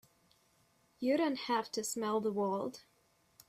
You don't have to smell the world!